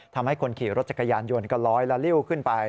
ทำให้คนขี่รถจักรยานยนต์ก็ร้อยละลิ้วขึ้นไป